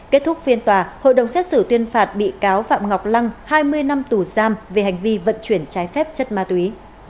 kết thúc phiên tòa hội đồng xét xử tuyên phạt bị cáo phạm ngọc lăng hai mươi năm tù giam về hành vi vận chuyển trái phép chất ma túy